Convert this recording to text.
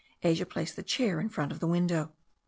Asia placed the chair in front of the window.